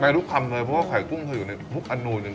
ในทุกคำเลยเพราะว่าไข่กุ้งคืออยู่ในพุกอนุจริง